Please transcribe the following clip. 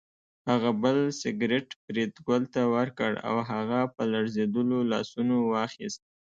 هغه بل سګرټ فریدګل ته ورکړ او هغه په لړزېدلو لاسونو واخیست